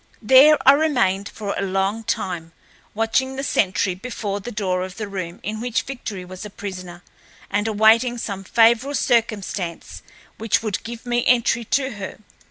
There I remained for a long time, watching the sentry before the door of the room in which Victory was a prisoner, and awaiting some favorable circumstance which would give me entry to her.